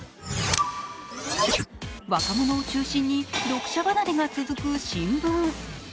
若者を中心に読者離れが続く新聞。